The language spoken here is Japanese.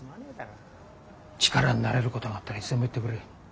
力になれることがあったらいつでも言ってくれ。